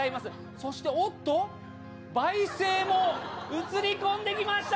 そして、おっと、梅星も写り込んできました。